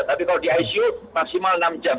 tapi kalau di icu maksimal enam jam